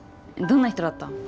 どんな人だった？